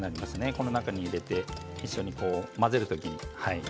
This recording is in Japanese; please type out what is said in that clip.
この中に入れて一緒に混ぜる時に。